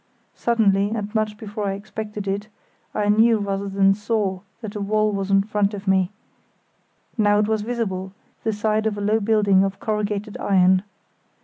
Suddenly, and much before I expected it, I knew rather than saw that a wall was in front of me; now it was visible, the side of a low building of corrugated iron.